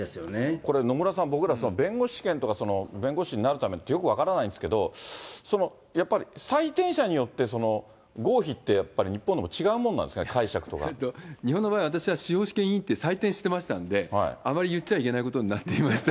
これ、野村さん、僕ら弁護士試験とか、弁護士になるためのってよく分からないんですけど、やっぱり採点者によって、合否って、やっぱり日本でも違うもんなんですか、日本の場合、私は司法試験委員で採点してましたんで、あまり言っちゃいけないことになってまして。